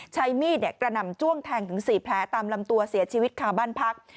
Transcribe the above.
ใช้มีดกระหน่ำจ้วงแทงถึง๔แผลตามลำตัวเสียชีวิตคาบ้านพัก